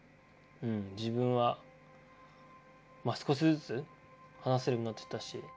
うん自分は少しずつ話せるようになっていったし。